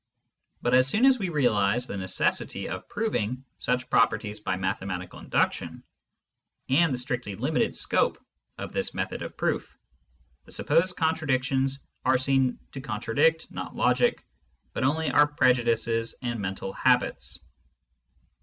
But so soon as we realise the necessity of proving such properties by mathematical induction, and the strictly limited scope of this method of proof, the supposed contradictions are seen to contra dict, not logic, but only our prejudices and mental habits.